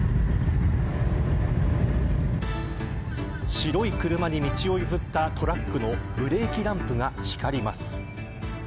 白い車に道を譲ったトラックのブレーキランプが光ります。